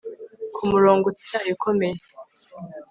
Ku murongo utyaye ukomeye